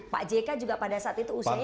pak jk juga pada saat itu usianya juga lanjut